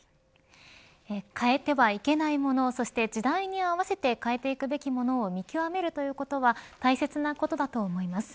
変えてはいけないものそして時代に合わせて変えていくべきものを見極めるということは大切なことだと思います。